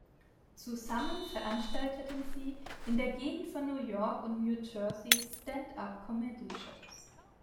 Zusammen veranstalteten sie in der Gegend von New York und New Jersey Stand-up-Comedy-Shows.